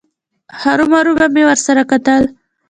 هرومرو به مې ورسره کتل.